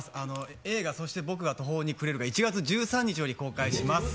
映画、そして僕は途方に暮れるが１月１３日より公開します。